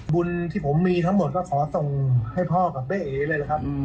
บุญที่ผมมีทั้งหมดก็ขอส่งให้พ่อกับแม่เอ๋เลยนะครับ